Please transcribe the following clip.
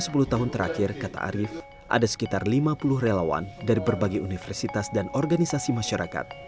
selama sepuluh tahun terakhir kata arief ada sekitar lima puluh relawan dari berbagai universitas dan organisasi masyarakat